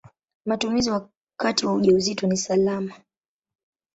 Matumizi wakati wa ujauzito ni salama.